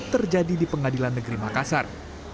terjadi di pengadilan negeri makassar